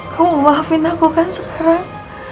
ku maafin aku kan sekarang